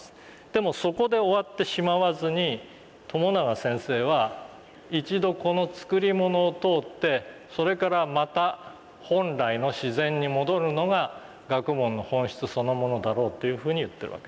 でもそこで終わってしまわずに朝永先生は「一度この作りものを通ってそれからまた本来の自然にもどるのが学問の本質そのものだろう」というふうに言ってるわけです。